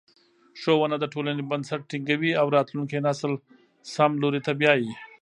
ښوونه د ټولنې بنسټ ټینګوي او راتلونکی نسل سم لوري ته بیايي.